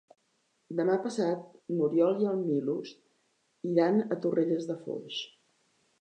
Demà passat n'Oriol i en Milos iran a Torrelles de Foix.